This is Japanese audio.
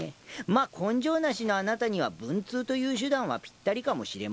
まぁ根性なしのあなたには文通という手段はぴったりかもしれませんが。